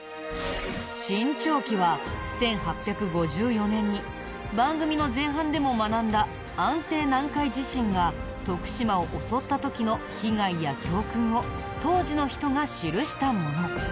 『震潮記』は１８５４年に番組の前半でも学んだ安政南海地震が徳島を襲った時の被害や教訓を当時の人が記したもの。